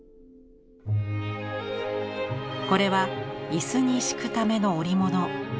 これは椅子に敷くための織物。